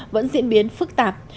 vẫn diễn biến phức tạp